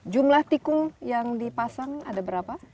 jumlah tikung yang dipasang ada berapa